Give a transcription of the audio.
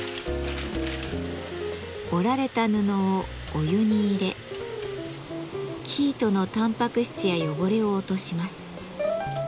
織られた布をお湯に入れ生糸のたんぱく質や汚れを落とします。